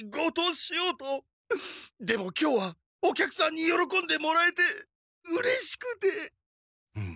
でも今日はお客さんによろこんでもらえてうれしくて。